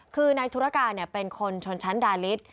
คือนายธุรการเป็นคนชนชั้นดาลิส